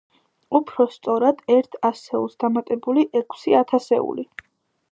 უფრო სწორად, ერთ ასეულს დამატებული ექვსი ათეული.